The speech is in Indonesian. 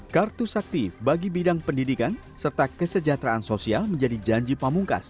kartu sakti bagi bidang pendidikan serta kesejahteraan sosial menjadi janji pamungkas